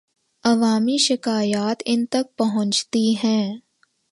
عوامی شکایات ان تک پہنچتی ہیں۔